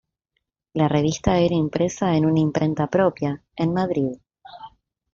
La revista era impresa en una imprenta propia, en Madrid.